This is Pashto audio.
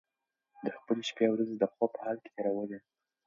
ده خپلې شپې او ورځې د خوب په حال کې تېرولې.